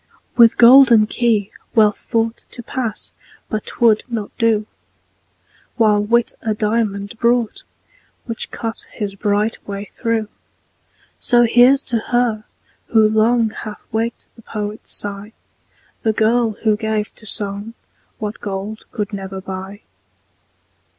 With golden key Wealth thought To pass but 'twould not do: While Wit a diamond brought, Which cut his bright way through. So here's to her, who long Hath waked the poet's sigh, The girl, who gave to song What gold could never buy.